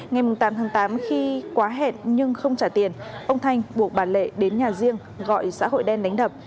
ngày tám tháng tám khi quá hẹn nhưng không trả tiền ông thanh buộc bà lệ đến nhà riêng gọi xã hội đen đánh đập